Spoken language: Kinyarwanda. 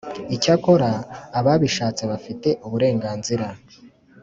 Icyakora ababishatse bafite uburenganzira